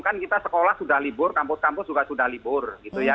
kan kita sekolah sudah libur kampus kampus juga sudah libur gitu ya